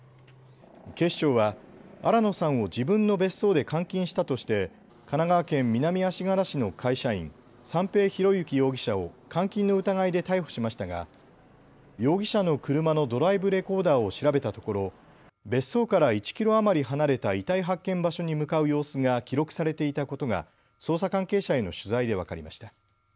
警視庁は新野さんを自分の別荘で監禁したとして神奈川県南足柄市の会社員、三瓶博幸容疑者を監禁の疑いで逮捕しましたが容疑者の車のドライブレコーダーを調べたところ別荘から１キロ余り離れた遺体発見場所に向かう様子が記録されていたことが捜査関係者への取材で分かりました。